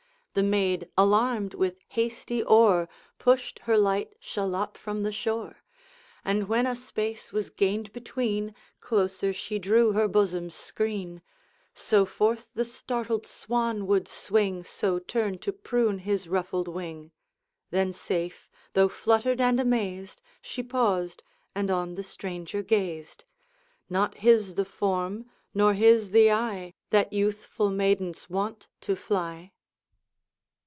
The maid, alarmed, with hasty oar Pushed her light shallop from the shore, And when a space was gained between, Closer she drew her bosom's screen; So forth the startled swan would swing, So turn to prune his ruffled wing. Then safe, though fluttered and amazed, She paused, and on the stranger gazed. Not his the form, nor his the eye, That youthful maidens wont to fly.